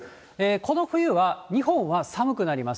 この冬は日本は寒くなります。